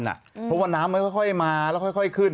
เพราะว่าน้ำมันค่อยมาแล้วค่อยขึ้น